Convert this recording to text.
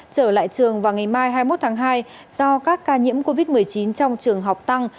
trở lại trường vào ngày mai hai mươi một tháng hai do các ca nhiễm covid một mươi chín trong trường học tăng